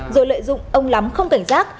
rồi lợi dụng ông lắm không cảnh giác